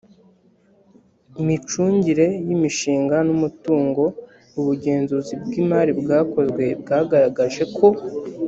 micungire y imishinga n umutungo ubugenzuzi bw imari bwakozwe bwagaragaje ko